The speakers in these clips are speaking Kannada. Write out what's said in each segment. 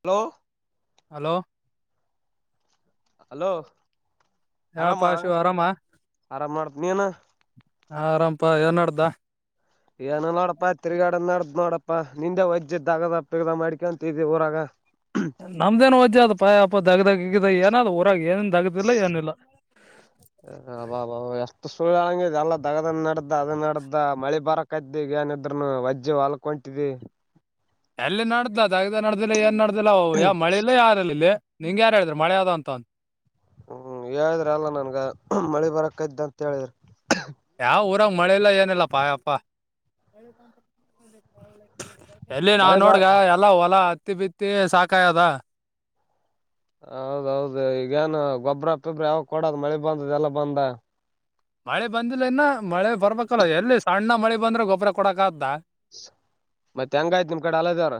ಹಲೋ ಹಲೋ ಅಲೋ ಆರಾಮ ಹೇಳಪಾ ಶಿವ ಆರಾಮ ಆರಾಮ ಮಾಡತ ನೀನ ಹ ಆರಾಮಪಾ ಏನಡ್ದ ಏನಲ್ಲೋಡಪ್ಪಾ ತಿಗಾಡಂದ ನೋಡಪ್ಪ ನಿಂದೆ ವೈದ್ಯದ ದಾಗದ ಪಗದ ಮಾಡ್ಕೊಂತ ಇದವಿ ಊರಾಗ ನಮ್ದೇನು ವಜ್ಜೆ ಅದು ಅಪ್ಪಪ್ಪ ದಗದಗ್ದಾಗ ಏನ ಅದ ಹೊರಾಗ ಏನನ್ ದಗ್ದಿಲ್ಲ ಏನಿಲ್ಲ ಬಬ ಎಷ್ಟು ಸುಳ್ಳಂಗಿದ ಎಲ್ಲ ದಗದನ್ ನಡ್ದ ಅದ ನಡ್ದ ಮಳಿ ಬರಕ್ಯ್ದ ಈಗ ನಿದ್ರನು ವಜ್್ಯ ವಲ್ಕೊಟಿದೆ ಎಲ್ಲಿ ನಡ್ದದಗ ನಡ್ದಿಲ್ಲ ಏನ್ ನಡ್ದಿಲ್ಲ್ಯ ಮಳೆ ಇಲ್ಲ ಯಾರಲ್ಲಿ ಇಲ್ಲಿ ನಿಂಂಗ ಯಾರ ಹೇಳಿದ್ರರು ಮಳೆ ಯಾವ್ದ ಅಂತ ಅ ಹ್ಮ್ ಹೇಳಿದ್ರ ಅಲ್ಲಾ ನನ್ಗ ಮಳಿ ಬರಕ್ಕ ಇದ್ದ ಅಂತ ಹೇಳಿದ್ರಿ ಯಾವ ಊರಾಗ ಮಳೆ ಇಲ್ಲ ಏನಿಲ್ಲ ಪಾಯಪ್ಪ ಎಲ್ಲಿ ನಾವ್ ಮಳೆ ಬ ನೋಡ್ಗ ಎಲ್ಲ ಹೊಲ ಹತ್ತಿ ಬಿತ್ತಿ ಸಾಕಾಯದ ಹೌದೌದು ಈಗೇಏನು ಗೊಬ್ಬ್ರ ಪೊಬ್ರ ಯಾವಾಗ ಕೊಡದು ಮಳೆ ಬಂದದೆ ಎಲ್ಲ ಬಂದ ಮಳೆ ಬಂದಿಲ್ಲ ಇನ್ನ ಮಳೆ ಬರ್ಬೇಕಲ್ಲ ಎಲ್ಲಿ ಸಣ್ಣ ಮಳೆ ಬಂದ್ರೆ ಗೊಬ್ಬರ ಕೊಡಕ ಆದ್ದ ಮತ್ತೆ ಹೆಂಗಾಯ್ತ್ ನಿಮ ಕಡೆ ಅಲದವ್ರ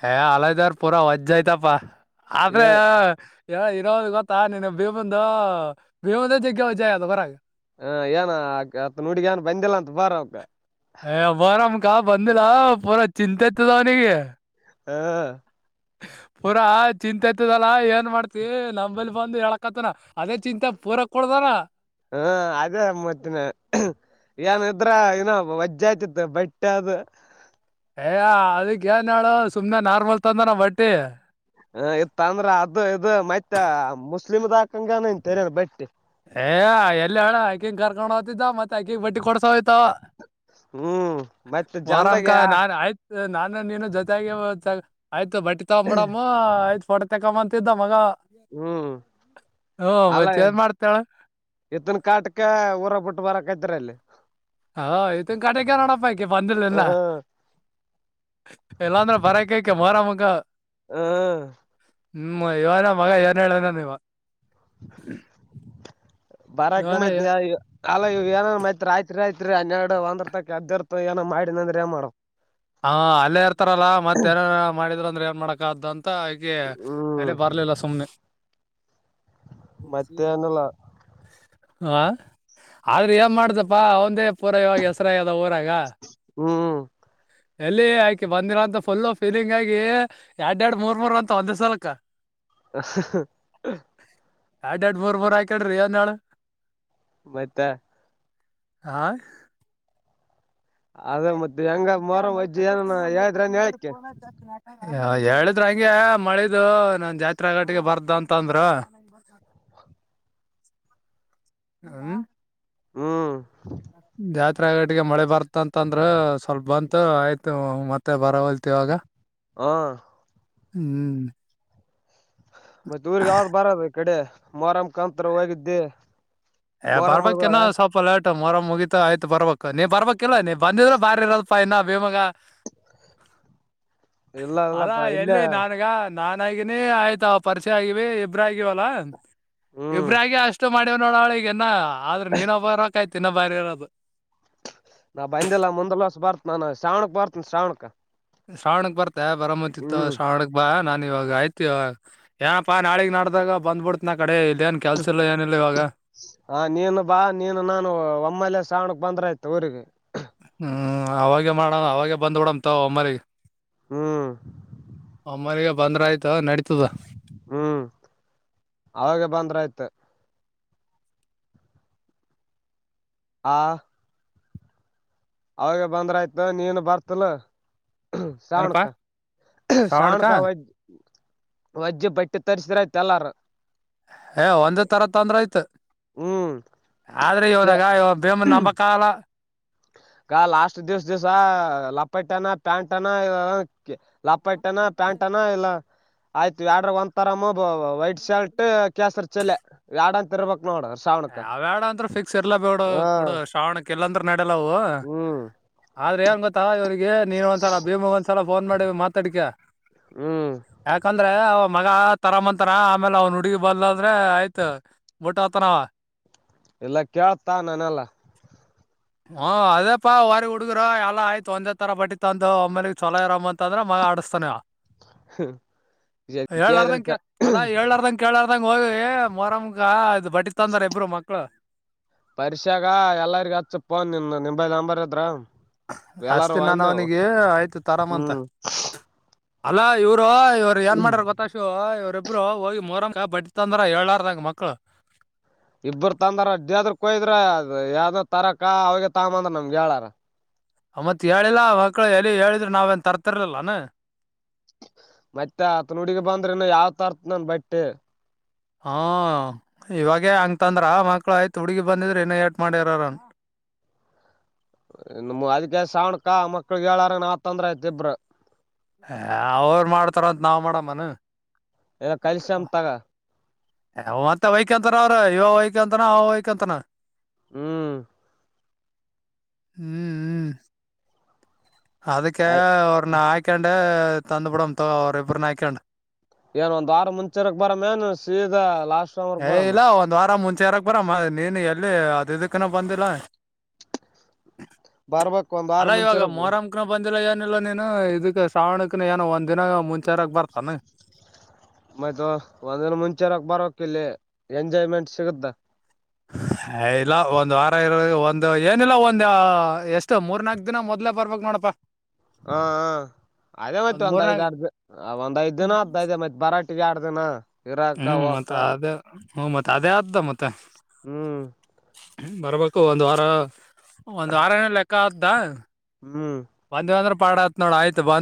ಹ ಅಲದಾರ ಪೂರ ಹೊಜಾಯತಪ್ಪ ಏ ಅೆ ಇರೋದು ಗೊತ್ತಾ ನಿನು ಭೀಮಂದು ಭೀಮಂದ ಜಗ್ಗೆ ಜಯ ಅದು ಬರ ಹಾ ಏನ ಆ ಹತ್ ನುಡಗ ಏನ್ ಬಂದಿಲ್ಲ ಅಂತ ಬಾರ ಅವಕ್ಕ ಏ ಮೊರಂ ಕಾ ಬಂದಿಲ್ಲ ಪೂರಾ ಚಿಂತೆ ಇತದ ಅವನಿಗೆ ಹಾ ಪೂರಾ ಚಿಂತೆತದಲ್ಲ ಏನ್ ಮಾಡ್ತಿ ನಂಬಲ್ಲಿ ಬಂದು ಹೇಳಕತನ ಅದೇ ಚಿಂತೆ ಪೂರ ಕುಡ್ದಾನ ಹಾ ಅದೇ ಮತ್ತಿನ ಏನ್ ಇದ್ರ ಏನೋ ವಜ್ಜೆ ಆಯ್ತಿತ್ತು ಬಟ್ಟೆ ಅದು ಯ ಅದಕ್ ಏನ್ ಹೇಳ ಸುಮ್ನೆ ನಾರ್ಮಲ್ ತಂದ ಬಟ್ಟಿ ಹ ಇತ್ ಅಂದ್ರ ಅದು ಇದು ಮೈತ್ ಮುಸ್ಲಿಮದಾಗ ಏ ಎಲ್ಲಿ ಹೇಳಳ ಆಕಂಗ ಕರ್ಕೊಂಡ್ ಹೋಗ್ತಿದ್ದ ಮತ್ತೆ ಆಕಿ ಬಡ್ಟ್ಟಿ ಕೊಡ್ಸ ಹ್ ತ್ತ ಹ್ಮ್ ಮತ್ತ ಜನ್ದಾಗ ಮರಾಮಕ ಯಾ- ನಾನ್ ಆಯ್ತು ನಾನು ನೀನು ಜೊತೆಗ ಆಯ್ತು ಬಟ್ಟಿ ತಗೊಬ ಬಿಡಮ್ಮ್ ಆಯ್ತ್ ಫೋ ತಕೊ ಅಂತ ಇದಿದ್ದ ಮಗ ಹ್ಮ್ ಹ್ಞೂ ಅಲ್ಲ ಮತ್ ಏನ್ ಮಾಡ್ತೇಳ ಇತನ್ ಕಾಟ ಊರ ಬಿಟ್ಟು ಬರಕ್ತ್ರಿ ಅಲ್ಲಿ ಹಾ ಇತನ್ ಕಡೆಗ ನೋಡಪ್ಪಯಕ ಬಂದಿಲ್ಲಲ್ಲ ಹ್ಮ್ ಎಲ್ಲಾಂದ್ರೆ ಬರ ಕೇಕ ಮಾರಾಮಗ ಹ್ಮ್ ಹ್ಮ್ ಇವನ ಮಗ ಏನಏನ ನೀವ ಬರಾಕ್ಕೆ ಇವನೇ ಮೈತ್ ಏ- ಕಾಲ ಏನ ಮೈತ್ ರಾಯ್ತ್ರಿ್ತ್ ಹನ್ನೆರಡು ಒಂದರ್ ತಕ ಅದರ್ ಏೋ ಮಾಡಿ ಅಂದ್ರೆ ಏ ಮಾಡ ಹ ಅಲ್ಲೇ ಇರ್ತಾರಲ್ಲಾ ಮತ್ತ ಏನ ಮಾಡಿದ್ರರು ಅಂದ್ರೆ ಏನ್ ಮಾಡಾಕಾದ ಅಂತ ಈಕ ಹ್ಮ್ ಅಲ್ಲಿ ಬರ್ ಇಲ್ಲ ಸೊಮನೆ ಸ್ ಮತ್ತೇನಿಲ್ಲ ಹಾ ಆದ್ರೆ ಏನ್ ಮಾಡ್ದಪ್ಪಾ ಅವಂದೇ ಪೂರ ಇವಾಗ ಹೆಸರಾ ಎಲ್ಲ ಹ್ಮ್ ಎಲ್ಲಿ ಆಯ್ಕಿ ಬಂದಿರ ಅಂತ ಫುಲ್ಲ ಫೀಲಿಂಗ್ ಆಗಿ ಎರಡ್ ಎರಡ್ ಮೂರ್ ಮೂರ್ ಅಂತ ಒಂದ್ ಸಲಕ ಹ ಎಡ್ ಎಡ್ ಬರ್ಬರ್ ಆಯ್ಕಡೆ್ರಿ ಅ ನಾಳ ಮತ್ತೆ ಹ ಅದೇ ಮತ್ತೆ ಹೆಂಗ ಮರ ಅಜ್ಜಿ ಏನಾನ ಹೇಳಿದ್ರನ್ ಹೇಳಕ್ಕೆ ಹ ಹೇಳಿದ್ರ ಹಂಗೆ ಮಳಿದು ನನ್ ಜಾತ್ಗಟ್ಟಿಗೆ ಬರ್ದ ಅಂತಂದ್ರು ಹ್ಮ್ ಹ್ಮ್ ಗಟಿಗೆ ಮಳೆ ಬರ್ತಂತಂದ್ರ ಸ್ವಲ್ಪ ಬಂತು ಆಯ್ತು ಮತ್ತೆ ಬರ ಹೊಲ್ತಿವಾಗ ಹಾ ಹ್ಮ್ ಮತ್ತೆ ಊರ್ಿಗೆ ಯಾವ್ದ್ ಬರದು ಈ ಕಡೆ ಮರ ಮುಖಾಂತರ ಹೋಗಿದ್ದೆ ಏ ಬರ್ಬೇಕನ ಸ್ವಲ್ಪ ಲೇಟ್ ಮೊರ ಮುಗಿತತ ಆಯ್ತು ಬರ್ಬೇಕು ನೀವ ಬರ್ಬೇಕಿಲ್ಲ ನೀ ಬಂದಿದ್ರೆ ಬಾರಿರ ನ್ನ ಭೀಮಂಗ ಇಲ್ಲ ಅಾ ಇಲ್ಲಪ್ಪಾ ಇಲ್ಲೇ ಎಲ್ಲಿೆ ನಾನುಗ ನಾನ್ಗನಿ ಆಯ್ತಾ ಪರಿಚೆ ಆಗಿವ ಇಬ್ರಗವಲ್ಲಾ ಹ್ಮ್ ಇಬ್ರಗ ಅಷ್ಟು ಮಾಡಿ ನೀವ್ ನೋಡ ಅವಳಗನ ಆದ್ರೆ ನೀನ್ೊಬ್ಬರಕಾಯ್ತಿ ಇನ್ನ ಬಾರಿ ಇರೋದು ನಾ ಬಂದಿಲ್ಲ ಮುಂದಲ್ ವಸ್ ಬರ್ತ್ ನಾನನ್ ಶ್ರಾವಣಕ್ ಬರ್ತನ ಶ್ರಾವಣಕ್ ಶ್ರಾವಣಕ್ ಬರ್ತ ಬರಾಮಂತಿತ್ತು ಹ್ಮ್ ಶ್ರಾವಣಕ್ ಬಾ ನ ಇವಾಗ ಆಯ್ತು ಇವಾಗ ಏನಪ್ಪಾ ನಾಳಗ್ ನಾಡ್ದಾಗ ಬಂದ್ಬಿಡ್ತ ನ ಕಡೆ ಇಲ್ಲ ಏನ್ ಕೆಲ್ಸ ಇಲ್ಲ ಏನಿಲ್ಲ ಇವಾಗ ಹ ನೀನು ಬಾ ನೀನು ನಾನು ಒಮ್ಮಲ್ಲ ಸಾವಣಕ್ ಬಂದ್ರ ಆಯ್ತ ಊರಿಗೆ ಹ್ಞೂ ಆವಾಗೇ ಮಾಡಣ ಅವವಾಗೆ ಬಂದು್ಬಿಡಮ ತ ಒಮ್ಮರಿಗೆ ಹ್ಮ್ ಅಮ್ಮನಗ ಬಂದ್ರ ಆಯ್ತ ನಡೀತದ ಹ್ಮ್ ಅವಾಗ ಬಂದ್ರ ಆಯ್ತು ಹಾ ಅವಾಗ ಬಂದ್ರ ಆಯ್ತ ನೀನು ಬರ್ತಲ್ಲ ಏನಪಾ ಶಾವಣಕ ಶ್ರಾವಣಕ ಶಾವಣಕ ವ ವಜ್ಜಿ ಬಟ್ಟೆ ತರ್ರಿಸ್ರಯ್ತ್ ಎಲ್ಲಾರ ಏ ಒಂದೇ ತರ ತೊಂದ್ರ ಆಯ್ತು ಹ್ಮ್ ಆದ್ರೆ ಇವನಾಗ ಇ ಭೇಮ ನಮ್ಮ ಕಾಲ ಆ ಲಾಸ್ಟ್ ದಿವ್ಸ ದಿವ್ಸ ಲಪಟನ ಪ್ಯಾಂಟ್ನ ಲ ಪಟ್ ಅನಾ ಪ್ಯಾಂಟ್ ಅನಾ ಎಲ್ಲ ಆಯ್ತು ಎ್ಯಾಡ್ರ ಒಂದ ತರ ವೈಟ್ ಶರ್ಟ್ ಕೇಸರಿ ಚೆಲೆ ಎ್ಯಾಡಂತ ಇರ್ಬೇಕ ಯಾವ್ಯಾಡ ಅಂದ್ರೆ ಫಿಕ್ಸ್ ಇರ್ಾ ಬೇಡ ಹಾ ಕೂಡ ಶ್ರಾವಣಕ್ಕೆ ಎಲ್ಲಂದ್ರೆ ನೆ ಲ್ಲವು ಹ್ಮ್ ಆದ್ರೆ ಏನ್ ಗೊತ್ತ ಇವಿಗೆ ನೀನ್ ಒಂದ್ಸಲ ಭೀಮಗ್ ಒಂದ್ಸಲ ೋನ್ ಮಾಡಿ ಮಾತಾಡಿಕ ಹ್ಮ್ ಯಾಕಂದ್ರೆ ಮಗ ತರಾಮಂತಾನ ಆಮೇಲೆ ಅವ್ನ ಹುಡುಗಿ ಬದಲದ್ರೆ ಆಯ್ತ ಊಟ್ಟ ಆತನವ ಎಲ್ಲ ಕೇಳ್ತಾ ನಾನಲ್ಲ ಹ ಅದೇಪಾ ವಾರಿ ಹುಡ್ಗರ ಎಲ್ಲ ಆಯ್ತ ಒಂದಜ ತರ ಬಟ್ಟಿತ್ ಅ ಒಮ್ಮ ಮೇಲಿ ಚಲ ಇರ ಅಂದ್ರ ಮಗ ಆಡ ತಾನೆ ಳ್ರ್್ದಂ ಕೇಳಿದ್ರ ಅಲ್ಲ ರ್್ದಂ ಕೇಳಾರ ಅದಂಗ ಹೋಗಿ ಮೊರಮಗ ಇದು್ ಬಟ್ಟಿ ತಂದಾರ ಇಬ್ರು ಮಕ್ಳು ಪರಕ್ಷೆಾಗ ಎಲ್ಲರಿಗ ಹಚ್ಚಫೋನ್ ನಿಮ ನಿೈ ನಂಬರ್ ಅದ್ರ ಅಷ್ಟತಿ ನಾನ ಅವನಿಗೆ ಆಯ್ತು ತಾರಾಮಂತ ಹ್ಮ್ ಅಲ್ಲಾ ಇವ್ರು ಇವ್ರು ಏನ್ ಮಾಡಾರ ಗೊತ್ತಾಶು ಇವ್ರಬ್ ಇಬ್್ರರು ಹೋಗಿ ಮೊರಂ ಬಟ್ತಂದ್ರ ಏಳಾರಾಗ ಮಕ್ಕಳು ಇಬ್ಬರು ತಂದಾರ ಅಡ್ಡಾದ್ರ ಕೊಯ್ದ್ರ ಯಾವ್ದ ತರಕ ಅವಗೆ ತಗಂದ್ರ ನಮ್ಗೆ ಹೇಳಾರ ಮತ್ ಹೇಳಿಲ್ಲಾ ಮಕ್ಕಳು ಎಲ್ಲಿ ಹೇಳಿದ್ರರು ನಾವ ನ್ ತರ್ತಿರ್ಲಿಲ್ಲಾನ ಮತ್ತೆ ಆತ ಹುಡಗ ಬಂದ್ರನ ಯಾವ ತರ್ತ್ ನನ್ ಬಟ್ಟೆ ಹಾ ಇವಾಗೇ ಹಂಗತಂದ್ರ ಮಕ್ಳು ಆಯ್ತು ಹುಡ್ಗಿ ಬಂದಿದ್ರೆ ಇನ್ನ ಏಟ್ು ಮಾಡ್ಯರರನ್ ಹ್ಮ ಇನ್ನು ಅದಕ್ಕೆ ಸಾವಣಕ ಮಕ್ಳಗ್ ಹೇಳಾರ ನಾವ ತೊಂದ್ರ ಐತಿ ಇಬ್್ರ ಹ ಅವರು ಮಾಡ್ತಾರ ಅಂತ ನಾವ್ ಮಾಡಮ್ಮನ್ ಇಲ್ಲ ಕಲ್ಸಾಮ ತಗ ಯ ಮತ್ತೆ ವೈಕಂತರ ಅವ್ರರು ಇವ ವೈಕಂತನ ಅವ ವೈಕಂತನ ಹ್ಮ್ ಹ್ಮ್ ಹ್ಮ್ ಅದಕ್ಕೆ ಅವ್ರ ನಾ ಆಯಕಾೊಂಡೆ ತಂದು ಬಿಡ ತ ಅವ ಎಬ್ಬ್ರ ನ ಆಯಕಾೊಂಡೆ ಏನ್ ಒಂದ್ ವಾರ ಮುಂಚೆರಕ್ ಬರ ಮೇನ್ ಸೀದ ಲಾಸ್ ಏ್ ಇಲ್ಲ ಒಂದ್ ವಾರ ಮುಂಚೆ ಚರಕ್ ಬರ ಮ ನೀನು ಎಲ್ಲಿ ಹದೈದಕ್ಕನ ಬಂದಿಲ್ಲ ಬರ್ಬೇಕ್ ಒಂದ್ ವಾರ ಅಲ ಇವಾಗ ಮುಂಚೆರಕ್ ಮೊರಂಕನ ಬಂದ ಇಲ್ಲ ಏನಲ್ಲ ನೀನು ಇದಕ್ಕೆ ಶ್ರಾವಣಕ್ನ ಏನೋ ಒಂದ್ಿನ ಮುಂಚೆರಾಗ ಬರ್ತಾನ ಮಯ್ತು ಒಂದಿನ ಮುಂಚೆರಕ್ ಬರೋಕ ಇಲ್ಲಿ ಎಂಜಾಯ್ಮೆಂಟ್ ಸಿಗುತ್ತ ಇಲ್ಲ ಒಂದ್ ವಾರ ಇರೋದು ಒಂದು ಏನಿಲ್ಲ ಒಂದ ಎಷ್ಟು ಮೂರ್ ನಾಲ್ಕ ದಿನ ಮೊದ್ಲೆೇ ಬರ್ಬೇಕಕ್ ನೋಡಪಾ ಹಾ ಅದೇ ಮತ್ತೆ ಒಂದ್ ಐದ್ರ್ ಒಂದ್ ಐದ್ ದಿನ ಅದದೇ ಮತ್ತೆ ಬರಾ ಎಗಾರ ದಿನ ಇರಾಕ ಹ್ಮ್ ಹೋಗಕ ಮತ್ತೆ ಅದೇ ಹ್ಮ್ ಮತ್ತೆ ಅದೇ ಆದ್ದ ಮತ್ತೆ ಹ್ಮ್ ಬರ್ಬೇಕು ಒಂದು ವಾರ ಒಂದು ವಾರ ಏನ ಲೆಕ್ಕ ಆದ್ದ ಹ್ಮ್ ಬಂದಿವವಂದ್ರ ಪಾಡತ್ ನೋಡ್ ಆಯ್ತ್ ಬ್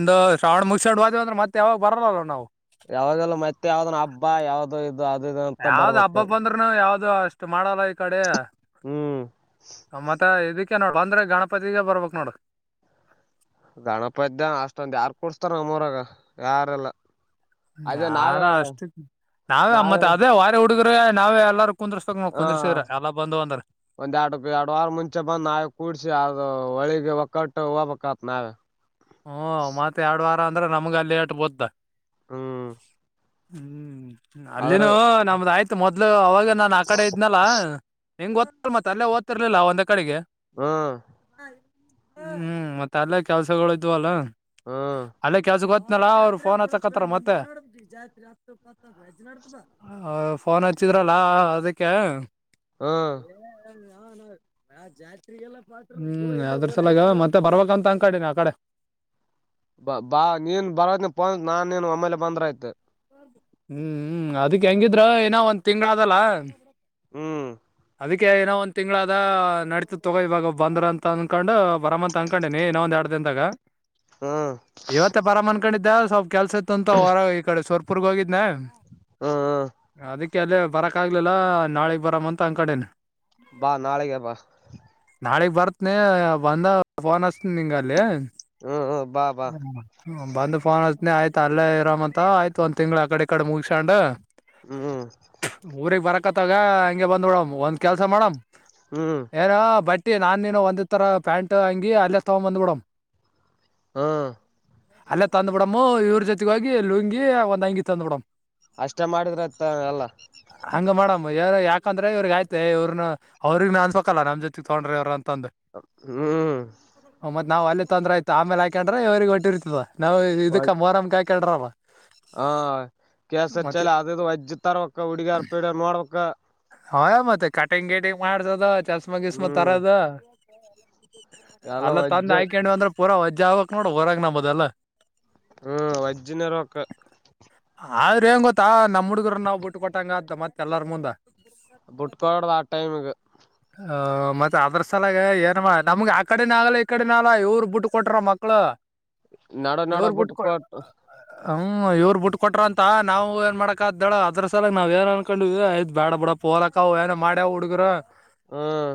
ಶ್ರಾವಣ ಮುಗಸೊಂಡ್ ಹದೀವಂದ್ರೆ ಮತ್ತ ಯಾವಾಗ ಬರಲ್ಲ ನಾವು ಯಾವಾಗೆಲ್ಲ ಮತ್ತೆ ಯಾವ್ದನ ಹಬ್ಬ ಯಾವ್ದೋ ಇದು ಅದು ಇದು ಅಂತ ಯಾವ್ದ್ ಹಬ್ಬ ಬರ್ಬೇಕು ಬಂದ್ರು ನಾವವು ಯಾವ್ದ ದು ಅಷ್ಟು ಮಾಡಲ್ಲ ಈ ಕಡೆ ಹ್ಮ್ ಮತ್ತ ಇದ ನೋಡು ಬಂದ್ರೆ ಗಣಪತಿಗೆ ಬರ್ಬೇಕಕ್ ನೋಡು ಗಣಪತಿ ಅಷ್ಟೊಂದು ಯಾರ್ ಕೂಡ್ಸ್ತಾರ ನಮ್ಮರಾಗ ಯಾರೆಲ್ಲ ಯಾರ ಅಷ್ಟು ನಾವೇಮ್ಮತ್ ನಾವೇ ಅದೇ ವಾರ ಹುಡುಗರು ನಾವೇ ಎಲ್ಲ ಕುಂದಿರ್ದ್ರ ಹಾ ಎಲ್ಲ ಬಂದು ಒಂದ್ ಎರಡು ಎರಡು ವಾರ ಮುಂಚೆ ಬಂದು ಆ ಕೂಡ್ಸಿ ಅದು ಹೊಳಿಗೆ ಒಕ್ಕಟ್ಟ ಹ ಪಕ್ಕಾ ಅನ ಹಓ ಮತ್ತ ಎರಡು ವಾರ ಅಂದ್ರೆ ನಮ್ಗ ಅಲ್ಲಿಟ್ ಬೋದ್ದ ಹ್ಮ್ ಹ್ಮ್ ಆದ್ರ ಅಲ್ಲಿನೂ ನಮ್ದ ಆಯ್ತು ಮೊದ್ಲು ಅವಾಗ ನಾನ ಆ ಕಡೆ ಇದ್ನಲ್ಲ ಹೆಂಗ್ ಓ್ತ ಮತ್ ಅಲ್ಲೇ ದ್ತಿರ್ಲಿಲ್ಲ ಒಂದ ಕಡೆಗೆ ಹ್ಮ ಹ್ಮ್ ಮತ್ತೆ ಅಲ್ಲೇ ಕೆಲ್ಸಗಳ ಇದ್ವಲ್ಲ ಹ್ಮ್ ಅಲ್ಲೇ ಕೆಲ್ಸ ಗ ಗತ್ತ ಇನಲಾ ಅವ್ರು ಫೋ ಹಚ್ಚಕತ್ತತ್ರ ಮತ್ತೆ [unintelligible] ಫೋನ್ ಹಚ್ಚಿದ್ರಲ್ಲ ಅದಕ್ಕೆ ಹ್ಮ್ ಏ [inaudible] ಹ್ಮ್ ಅದ್ರ ಸಲ ಮತ್ತೆ ಬರ್ಬೇಕಂತ ಅಂಕಡಿನ ಆ ಕಡೆ ಬಾ ಬಾ ನೀನ್ ಬರೋದನ ಪೋ ನಾನ್ ನೀನ್ ಒಮ್ಮೇಲೆ ಬಂದ್ರ ಆಯ್ತ ಹ್ಮ್ ಹ್ಮ್ ಅದಕ್ ಹೆಂಗಿದ್ರ ಏನೋ ಒಂದ್ ತಿಂಗಗಳದಲ್ಲ ಹ್ಮ್ ಅದಕ್ಕೆ ಏನೋ ಒಂದ ತಿಂಗಳಾದ ನಡೀತ್ ತಗೋ ಇವಾಗ ಬಂದ್ರ ಅಂತ ಅನ್ಕೊಂಡು ಬರ ಅಂತ ಅನ್ಕೊಂಡೇನಿ ಇನೋ ಒಂದ್ ಕದಿಂದ ಗಾ [inaudible] ಹ್ಮ ಕಿದ್ದ ಸ್ವಲ್ಪ ಕೆಲ್ಸ ಇತ್ತು ಅಂತ ಹೊರ ಈ ಕಡೆ ಸವರ್ಪುರ್ಗ ಹೋಗಿದ್ನೆ ಹ್ಮ್ ಹ್ಮ್ ಅದಕ್ಕೆ ಕ ಅಲ್ಲೇ ಬರಕ್ ಆಗ್ಲಿಲ್ಲಾ ನಾಳೆಗ್ ಬರ ಅಂತ ಅಂಗ್ ಕಡೆೇನೆ ಬಾ ನಾಳಗ ಬಾ ನಾಳಿಗ್ ಬರ್ತನಿ ಒಂದ ಫೋನ್ ಹಚ್ತನಿ ನಿಂಗ ಅಲ್ಲಿ ಹ ಹ ಹ ಬಂದ್ ಫೋನ್ ಹತ್ನ ಆಯ್ತ ಅಲ್ಲೇ ಇರ ಅಂತ ಆಯ್ತು ಒಂದ್ ತಿಂಗಳ ಆ ಕಡೆ ಕಡೆ ಮುಗಸಂಡ ಹ್ಮ್ ಊಗ್ ಬರಕ್ ತಗ ಹಂಗೆ ಬಂದ್ ಬಿಡಮ್ ಒಂದ್ ಕೆಲ್ಸ ಮಾಡಮ್ ಹ್ಮ್ ಏನ ಬಟ್ಟ ನಾನ್ ನೀನು ಒಂದ ತರ ಪ್ಯಾಂಟ್ ಹಂಗಿ ಅಲ್ಲೇ ತಗೊ್ ಬಂದ್ಬಿಡಮ ಹಾ ಅಲ್ಲೇ ತಂದ್ ಬಿಡಮ್ಮ ಇವ್ರ ಜೊತೆಗ ಹೋಗಿ ಲುಂಗಿ ಒಂದ್ ಅಂಗಿ ತಂದ್ ಬಿಡಮ್ ಅಷ್ಟೇ ಮಾಡಿದ್ರತ್ತ ಎಲ್ಲ ಹಂಗ ಮಾಡಮ್ ಯಾರ ಯಾಕಂದ್ರೆ ಇವ್ರಗ ಆಯ್ತೆ ಇವ್ರನ ಅವ್ರಗ್ ನ ಅನ್ಪಕಲ್ಲ ನಮ್ಮ ಜೊ ತಗೊಂಡ್ರ ಅವವ್ರ ಅಂತ ಹ್ಮ್ ನಾವವು ಅಲ್ಲಿ ತೊಂದ್ರ ಆಯತ ಆೇಲೆ ಹಾಕೊಂಡ್ರೆ ಇವ್ರಗ್ ಹೊಟ್ಟಿರ್ತದ ನಾವವು ಇದಕ್ಕ ಮೋರಮಕ್ ಹಾಕೊಂಡ್ರ ಹಾ ಕೇಸರ್ ಮತ್ತೆ ಚಲ್ ಅದದು ವಜ್ಜ ತರ್ವಕ್ಕ ಹುಡುಗಿಯಾರ್ ಪೀಡ ಮಾಡ್ಬೇಕಕ್ಕ ಹ ಮತ್ತೆ ಕಾಟಿಂಗ್ ಗೇಟಿಂಗ ಮಾಡಸದ ಚಸ್ಮಗಸ್ಮ ಹ್ಮ್ ತರದ ಎಲ್ಲ ಅಲ್ಲ ವಜ್ಜ ತಂದೆ ಆಯ್ಕೊಂಡಿವ ಅಂದ್ರೆ ಪೂರಾ ವಜ್ಜಾ ಆಾಗಕ್ ನೋಡ ಹೊರಾಗ ನಂಬದಲ್ಲ ಹ್ಮ್ ವೈಜಜ್ಯನೇರ ಒಕ್ಕ ಆದ್ರ ಹೆಂಗ ಗೊತ್ತಾ ನಮ್ಮ ಹುಡ್ಗರು ನಾವ್ ಬಿಟ್ಟ ಕೊಟ್ಟಂಗ ಅಂತ ಮತ್ತ ಎಲ್ಲಾರ ಮುಂದ ಬುಟ್ಕಳದ ಆ ಟೈಮಗೆ ಹ ಮತ್ತೆ ಅದ್ರ ಸಲಾಗ ಏನ್ ನಮ್ಗೆ ಆ ಕಡೆನ ಆಗಲ್ಲ ಈ ಕಡೆನಾಗಲ್ಲ ಇವ್ರು ಬಿಟ್ಟ ಕೊಟರ ಮಕ್ಕಳು ನಡು ನಡು ಇವರು ಬಿಟ್ ಬಿುಟ್ಟಕ ಕೊಟ್ ಹ ಇವ್ರು ಬಿಟ್ಟ ಕೊಟ್ರ ಅಂತ ನಾವು ಏನ್ ಮಾಡಾಕ ಅ್ದಳ ಅದ್ರ ಸಲ ನಾವವು ಏನು ಅನ್ಕೊಂಡ್ವಿಯ್ ಬೇಡ ಬ ಬಿಡ ಪೋಲಕ್ಕ ಅವ ಏನ ಮಾಡ್ಯಾವ್ ಹುಡುಗರು ಹ್ಮ್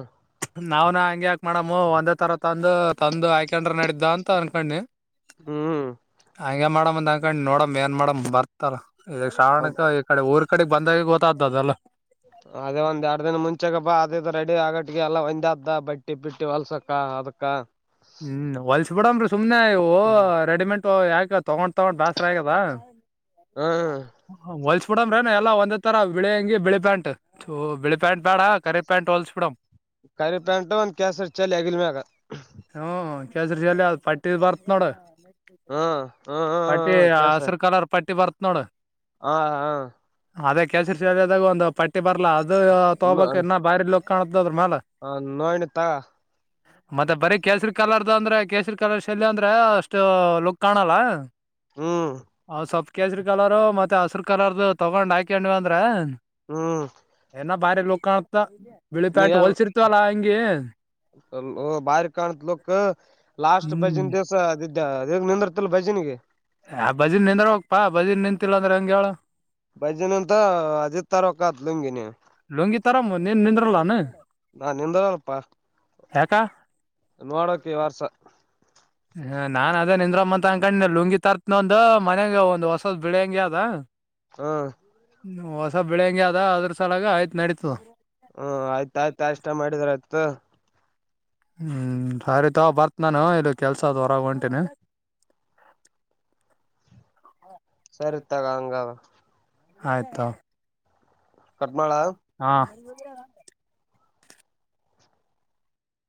ನಾವ್ನ ಹಂಗ ಯಾಕ ಮಾಡಮ್ಮ ಒಂದೇ ತರ ತಂದು ತಂದಂದು ಆಯಕೊಂಡ್ರ ನಡ್ದ ಅಂತ ಅನ್ಕೊಂಡಿ ಹ್ಮ್ ಹಗೆ ಮಾಡಮ್ ಅಂದ ಹಂಗ ಕ ನೋಡಮ್ ಏನ್ ಮಾಡಮ್ ಬರ್ತಾರ ಇದ ಶಣ ಈ ಕಡೆ ಊರ್ ಕಡೆ ಬಂದಾಗ ಗೊತ್ತಾದ್ದದಲ್ಲ ಅದೇ ಒಂದ್ ಎರಡ್ ದಿನ ಮುಂಚೆಾಗ ಬಾ ಅದದು ರೆಡಿ ಆಗಟ್ ಎಲ್ಲ ಒಂದ್ ಬಟ್ಟಿ ಬಿಟ್ಟಿ ಹೊಲ್ಸಕ ಅದಕ್ಕ ಹ್ಮ್ ಹೊಲ್ಸ ಬಿಡಮರಿ ಸುಮ್ನೆ ಇವು ಹ್ಮ್ ರೆಡಿಮೇಟ್ ಇ ಯಾಕ ತಗೊಂಡ್ ತಗೊಂಡ್ ಬೇಸರ ಆಗದ ಹ್ಮ್ ಬಿಡಮ್ರೇ ನ ಎಲ್ಲ ಒಂದ್ತ್ತರ ಬಿಳಿ ಹಂಗಿ ಬಿಳಿ ಪ್ಯಾಂಟ್ ಬಿಳಿ ಪ್ಯಾಂಟ್ ಬ್ಯಾಡ ಕರಿ ಪ್ಯಾಂಟ್ ಹೊಲ್ಸ್ ಬಿಡಮ್ ಕ ಪ್ಯಾಟ ಕಸರ್ ಚಲ ಅಗಲ್ಮಗ ಹ್ಮ ಕೇಜ್ರಜಲ್ಲಿ ಅ್ ಪಟ್ಟಿ ಬರ್ತ್ ನೋಡ ಹ್ಮ್ ಹ್ಮ್ ಪಟ್ಟಿ ಹ್ಮ್ ಹಸಿರು ಕಾಲರ್ ಪಟ್ಟಿ ಬರ್ತ್ ನೋಡು ಹಾ ಹಾ ಅದೇ ಕೆೇಸರಿ ಶಾಲದಾಗ ಒಂದು ಪಟ್ಟಿ ಬರ್ಲ ಅದು ತಗಬಬೇಕಕ್ ಇನ್ನ ಬಾರಿ ಲುಕ್ ಕಾಣ ಹ ನೋಯಣ ತ ಮತ್ತೆ ಬರಿೀ ಕೇಸರಿ ಕಲರ್ದ ಅಂದ್ರೆ ಕೇಸರಿ ಕಲರ್ ಶಲ್ ಅಂದ್ರೆ ಅಷ್ಟು ಲುಕ್ ಕಾಣಲ್ಲ ಹ್ಮ್ ಅ ಸೊಪ್ಪ ಕೇಸರಿ ಕಲರು ಮತ್ತೆ ಹಸರು ಕಲರ್ದು ತಗೊಂಡ್ ಹಾಕಂಡಿವ ಅಂದ್ರ ಹ್ಮ್ ಏನ ಬಾರಿ ಲೋಕಾಣತ ನೀ ಬಿಳಿಪ್ಯಾಂಟ್ ಹೊಲ್ಸಿರ್ತವಲ್ಲ ಹಂಗೆ ಕ್ ಲಾಸ್ಟ್ ಬಜನ್ ದಿವ್ಸ ಅದ್ದ ನಿಂದಿರ್ತಲ್ಲ ಬಜನ್ಗೆ ಯ ಬಜೀರ್ ನಿಂದ್ರ ಹೋಗ್ಪಾ ಬಜೀರ್ ನಿಂತಿಲ್ಲ ಅಂದ್ರೆ ಹಂಗ ಹೇಳ ಬೈಜನ್ ಅಂತ ಅಜಿ ತರಕ್ಕತ್ಗಿನಿ ಲುಂಗಿ ತರಮ್ಮ ನೀನ್ ನಿಂದ್ರಲ್ಲಾನ ನಾನ್ ಯಾಕ ನೋಡೋಕೆ ವಾರಸ ಹ ನಾನ್ ಅದೇನ್ಂದ್ರಮ್ಮ ಅ ಅಕಂಡ ಲುಂಗಿ ತತ್ನೊಂದ ಮನ್ಯಾಗ ಒಂದ್ ಹೊಸದ್ ಬಿಳಿ ಹಂಗಗೆ ಅದ ಹಾ ಹೊಸ ಬೆಳಂಗಗೆ ಅದ ಅದ್ರ ಸಲಾಗ ಆಯ್ತು ನಡೀತು ಹ್ಮ್ ಆಯ್ತಾಯಯ್ತಾ ಇಷ್ಟ ಮಾಡಿದ್ರ ಆಯ್ತ ಹ್ಮ್ ಸರಿೀತ ಬರ್ತ್ ನಾನು ಇಲ್ಲಿ ಕೆಲ್ಸದ್ ಹೊರಗ ಹೊಂಟನಿ ಸರ್ತ್ತಾಗಂಗ ಆಯ್ತಾ ಕಟ್ ಮಾಡ. ಹಾ